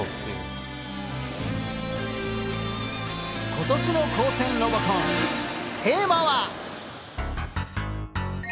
今年の「高専ロボコン」テーマは！